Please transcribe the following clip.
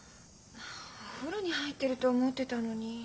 お風呂に入ってると思ってたのに。